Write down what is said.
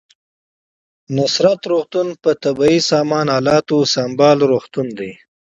نصرت روغتون په طبي سامان الاتو سمبال روغتون دی